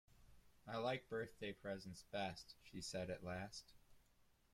‘I like birthday presents best,’ she said at last.